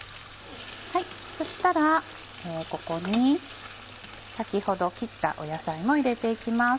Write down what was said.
そしたらここに先ほど切った野菜も入れて行きます。